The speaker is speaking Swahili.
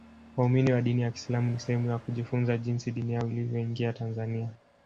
waumini wa dini ya kiislamu ni sehemu ya kujifunza jinsi dini yao ilivyoingia tanzania